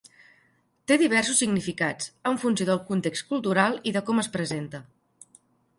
Té diversos significats, en funció del context cultural i de com es presenta.